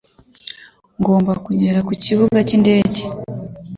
Ngomba kugera ku kibuga cy'indege